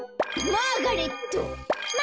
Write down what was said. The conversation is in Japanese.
マーガレット。